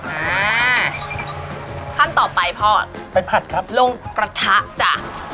อ่าขั้นต่อไปพ่อไปผัดครับลงกระทะจ้ะ